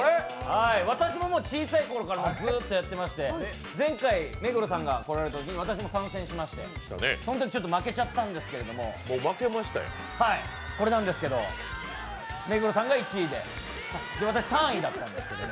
私も小さいころからずっとやってまして前回、目黒さんが来られたときに私も参戦しましてそのときちょっと負けちゃったんですけど、これなんですけど目黒さんが１位で私３位だったんですけれども。